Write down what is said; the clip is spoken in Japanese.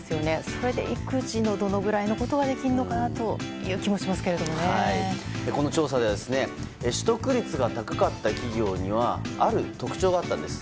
それで育児のどのぐらいのことができるのかなというこの調査では取得率が高かった企業にはある特徴があったんです。